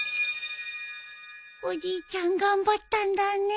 おじいちゃん頑張ったんだね